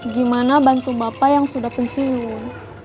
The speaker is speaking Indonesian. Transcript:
gimana bantu bapak yang sudah pensiun